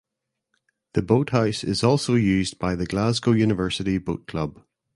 The boathouse is also used by the Glasgow University Boat Club.